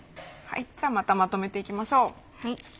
じゃあまたまとめていきましょう。